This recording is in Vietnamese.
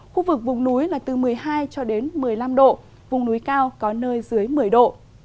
khu vực vùng núi là từ một mươi hai cho đến một mươi năm độ vùng núi cao có nơi dưới một mươi độ